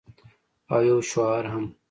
او یو شعار هم